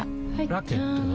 ラケットは？